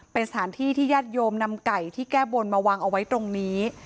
เป็นสถานที่ที่ญาติโยมนำไก่ที่แก้บนมาวางเอาไว้ตรงนี้